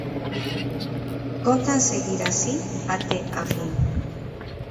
Contan seguir así até a fin.